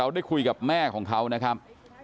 ได้คุยกับแม่ของเขานะครับ